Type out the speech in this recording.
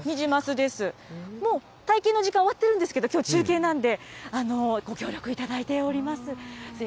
もう体験の時間終わってるんですけど、きょう、中継なんで、ご協力いただいております。